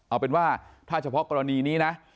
เอาเป็นว่าถ้าเฉพาะกรณีนี้นะ